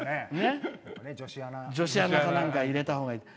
女子アナ入れたほうがいいって。